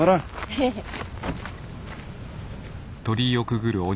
ヘヘッ。